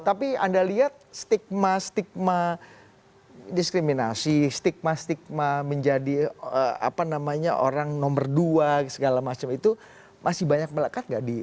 tapi anda lihat stigma stigma diskriminasi stigma stigma menjadi apa namanya orang nomor dua segala macam itu masih banyak melekat gak di